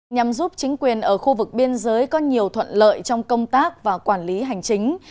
nhằm giúp chính quyền ở khu vực biên giới có nhiều thuận lợi trong công tác và quản lý hành chính